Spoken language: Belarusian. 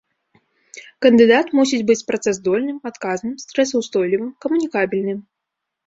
Кандыдат мусіць быць працаздольным, адказным, стрэсаўстойлівым, камунікабельным.